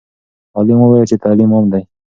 عالم وویل چې تعلیم عام دی.